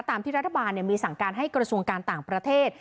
ตามที่รัฐบาลมีสั่งการให้กระทรวงการต่างประเทศ